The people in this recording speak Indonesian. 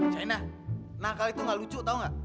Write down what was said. sena nakal itu gak lucu tau gak